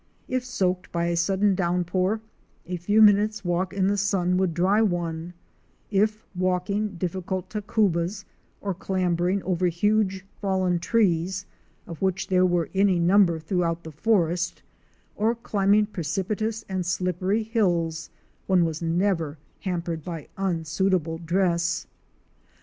If soaked by a sudden downpour, a few minute's walk in the sun would dry one; if walking difficult tacubas, or clambering over huge fallen trees, of which there were any number throughout the forest, or climbing precipitous and slippery hills one was never hampered by unsuitable dress.